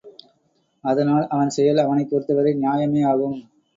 அதனால் அவன் செயல் அவனைப் பொறுத்தவரை நியாயமே ஆகும்.